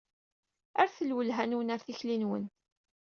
Rret lwelha-nwen ar tikli-nwen.